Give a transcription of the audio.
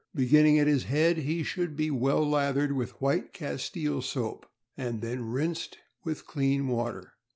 Beginning at his head, he should be well lathered with white castile soap, and then rinsed with clean water.